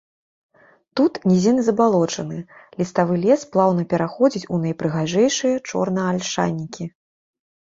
Тут нізінны забалочаны ліставы лес плаўна пераходзіць у найпрыгажэйшыя чорнаальшанікі.